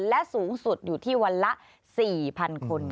และสูงสุดอยู่ที่วันละ๔๐๐๐คน